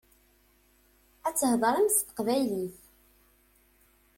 Ad theḍṛem s teqbaylit.